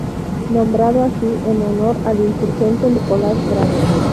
Nombrado así en honor al insurgente Nicolás Bravo.